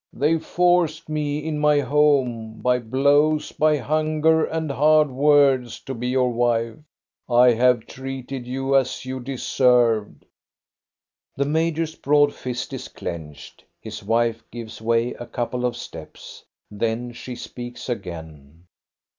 They forced me, in my home, by blows, by hunger, and hard words to be your wife. I have treated you as you deserved." The major's broad fist is clenched. His wife gives way a couple of steps. Then she speaks again.